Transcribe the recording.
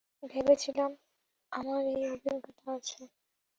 ভেবেছিলাম, আমার এই অভিজ্ঞতা আছে।